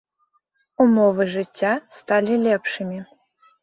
Умовы жыцця сталі лепшымі.